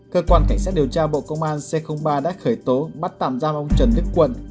cơ quan cảnh sát điều tra bộ công an c ba đã khởi tố bắt tạm giam ông trần đức quận